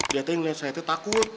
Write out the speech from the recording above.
dia tanya saya takut